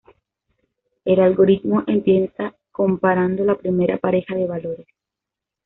El algoritmo empieza comparando la primera pareja de valores.